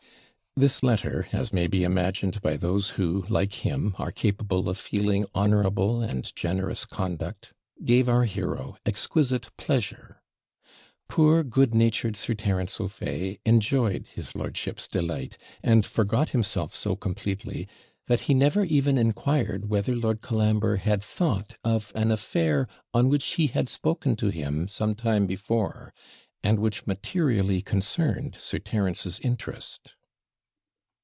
This letter, as may be imagined by those who, like him, are capable of feeling honourable and generous conduct, gave our hero exquisite pleasure. Poor, good natured Sir Terence O'Fay enjoyed his lordship's delight; and forgot himself so completely, that he never even inquired whether Lord Colambre had thought of an affair on which he had spoken to him some time before, and which materially concerned Sir Terence's interest.